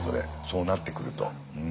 そうなってくると。